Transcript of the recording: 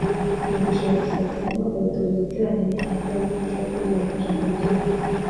Mugisha yagize ati « Buri mwaka dutegura igiterane nk’iki mu rwego rwo kurushaho kwigira hamwe ijambo ry’Imana